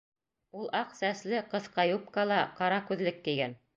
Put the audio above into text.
Ул аҡ сәсле, ҡыҫҡа юбкала, ҡара күҙлек кейгән.